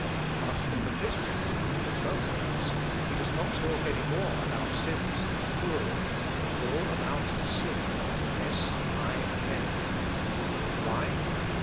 But from the fifth chapter and the twelfth verse he does not talk any more about sins in the plural, but all about sin, s i n. Why?